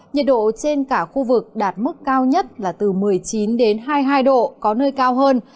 nhiệt độ trên cả khu vực đạt mức cao nhất là từ một mươi chín đến hai mươi hai độ có nơi cao hơn